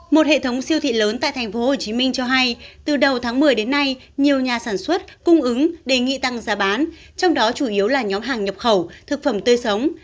một hệ thống siêu thị lớn tại tp hcm cho hay từ đầu tháng một mươi đến nay nhiều nhà sản xuất cung ứng đề nghị tăng giá bán trong đó chủ yếu là nhóm hàng nhập khẩu thực phẩm tươi sống